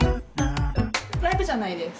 ライブじゃないです。